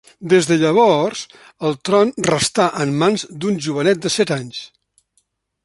Des de llavors, el tron restà en mans d'un jovenet de set anys.